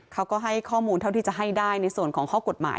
เขาก็ให้ข้อมูลเท่าที่จะให้ได้ในส่วนของข้อกฎหมาย